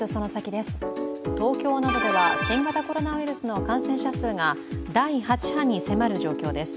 です東京などでは新型コロナウイルスの感染者数が第８波に迫る状況です。